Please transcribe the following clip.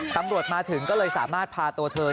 ตำรวจมาถึงก็เลยสามารถพาตัวเธอ